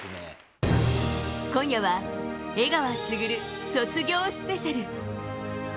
今夜は江川卓卒業スペシャル！